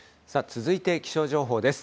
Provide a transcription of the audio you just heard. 続いて、気象情報です。